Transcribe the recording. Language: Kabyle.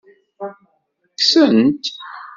Kksen-t.